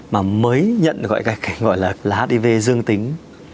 mà mới nhận được cái gọi là hdv dương tính